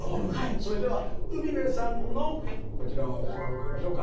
それでは海辺さんのこちらは私がめくりましょうか。